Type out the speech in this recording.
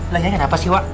lah ini kenapa sih wak